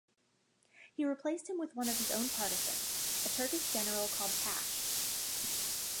He replaced him with one of his own partisans, a Turkish general called Tash.